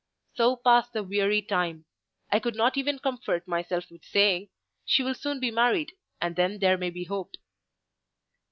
So passed the weary time. I could not even comfort myself with saying, "She will soon be married; and then there may be hope."